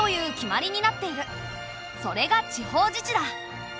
それが地方自治だ。